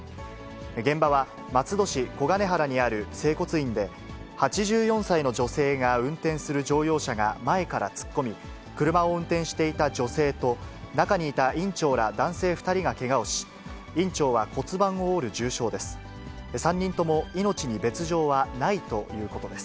現場は、松戸市小金原にある整骨院で、８４歳の女性が運転する乗用車が前から突っ込み、車を運転していた女性と、中にいた院長ら男性２人がけがをし、院長は骨盤を折る重傷です。